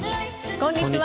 こんにちは。